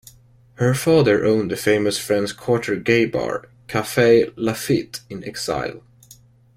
Her father owned the famous French quarter gay bar, Cafe Lafitte in Exile.